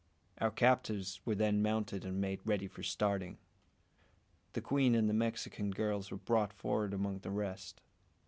Our captives were then mounted and made ready for starting. The queen and the Mexican girls were brought forward among the rest.